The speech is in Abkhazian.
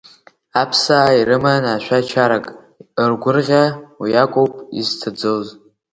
Аԥсаа ирыман ашәа-чарак, ргәырӷьа уиакоуп изҭаӡоз.